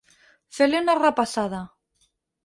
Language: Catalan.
Fer-li una repassada.